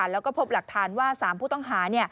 แล้วก็พบหลักฐานว่า๓ผู้ต้องหา